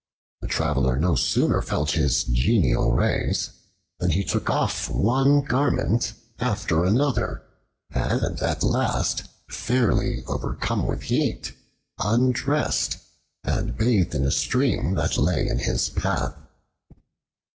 The Traveler no sooner felt his genial rays than he took off one garment after another, and at last, fairly overcome with heat, undressed and bathed in a stream that lay in his path.